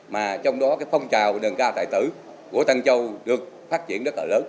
mà trong đó cái phong trào nâng cao tài tử của tân châu được phát triển rất là lớn